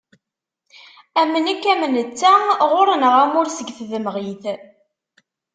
Am nekk am netta ɣur-nneɣ ammur seg tdemɣit.